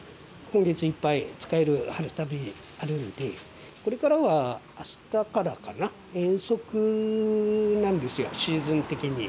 今月いっぱい使える春旅あるんでこれからは、あしたからかな遠足なんですよシーズン的に。